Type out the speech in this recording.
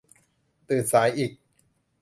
ตื่นสายอีก